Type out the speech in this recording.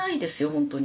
本当に。